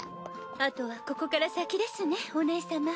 あとはここから先ですねお姉様。